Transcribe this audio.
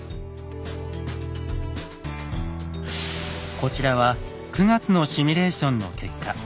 こちらは９月のシミュレーションの結果。